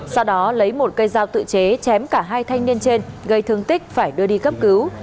sau đó lấy một cây dao tự chế chém cả hai thanh niên trên gây thương tích phải đưa đi cấp cứu